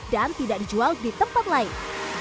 dan tidak dijual di tempat lain